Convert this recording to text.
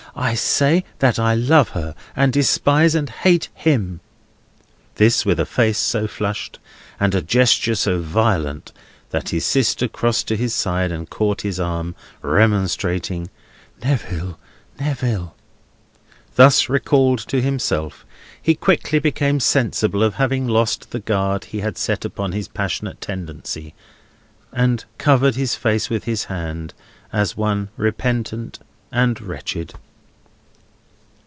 I say that I love her, and despise and hate him!" This with a face so flushed, and a gesture so violent, that his sister crossed to his side, and caught his arm, remonstrating, "Neville, Neville!" Thus recalled to himself, he quickly became sensible of having lost the guard he had set upon his passionate tendency, and covered his face with his hand, as one repentant and wretched.